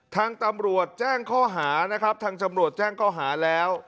ทางตำรวจแจ้งข้อหานะครับทางจำรวจแจ้งข้อหาแล้ว